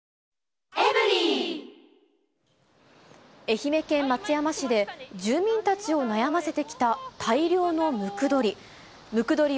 愛媛県松山市で、住民たちを悩ませてきた大量のムクドリ。